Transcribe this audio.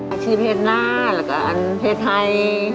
อาชีพเพศหน้าแล้วก็อันเพศไทย